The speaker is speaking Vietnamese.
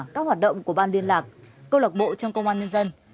các hoạt động của ban liên lạc công lộc bộ trong công an nhân dân